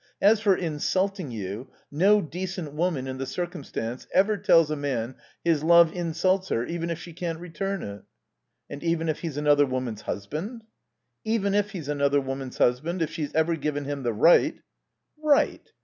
As for insulting you, no decent woman, in the circumstances, ever tells a man his love insults her, even if she can't return it." "And even if he's another woman's husband?" "Even if he's another woman's husband, if she's ever given him the right " "Right?